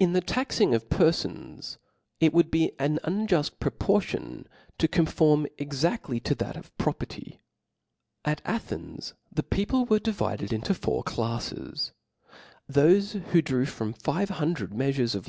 In the taxing of perlbns, it would be an unjuft proportion to conform exactly to that of property. At Athens (*») the people were divided into fourWPoHux, clafles. Thofe who drew five hundred meafures of chap.